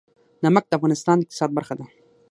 نمک د افغانستان د اقتصاد برخه ده.